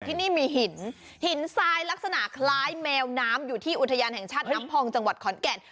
ที่นี่มีหินหินทรายลักษณะคล้ายแมวน้ำอยู่ที่อุทยานแห่งชาติน้ำพองจังหวัดขอนแก่น